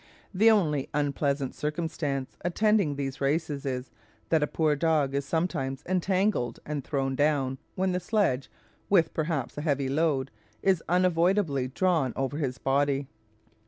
The only unpleasant circumstance attending these races is, that a poor dog is sometimes entangled and thrown down, when the sledge, with perhaps a heavy load, is unavoidably drawn over his body.